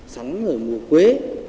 sáng ở mùa quế